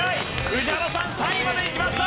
宇治原さん３位までいきました。